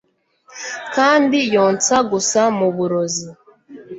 Kandi yonsa gusa muburozi